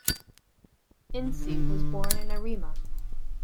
Ince was born in Arima.